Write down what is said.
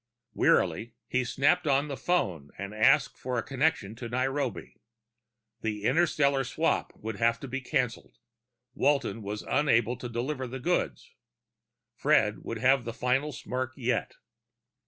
Wearily, he snapped on the phone and asked for a connection to Nairobi. The interstellar swap would have to be canceled; Walton was unable to deliver the goods. Fred would have the final smirk yet.